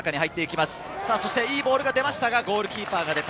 いいボールが出ましたが、ゴールキーパーが出た。